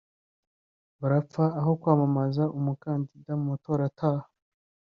Barapfa ayo kwamamaza umukandida mu matira ataha